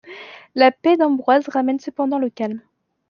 La paix d'Amboise ramène cependant le calme.